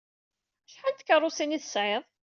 Acḥal n tkeṛṛusin ay tesɛid?